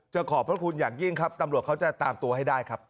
ขอบพระคุณอย่างยิ่งครับตำรวจเขาจะตามตัวให้ได้ครับ